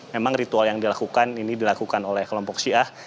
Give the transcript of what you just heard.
memang ritual yang dilakukan ini dilakukan oleh kelompok syiah